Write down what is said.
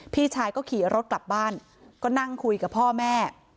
พี่ชายก็ขี่รถกลับบ้านก็นั่งคุยกับพ่อแม่